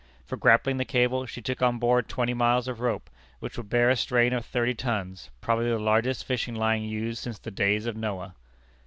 For grappling the cable, she took on board twenty miles of rope, which would bear a strain of thirty tons, probably the largest fishing line used since the days of Noah!